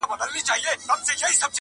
جوړه کړې یې په چت کي ځالګۍ وه -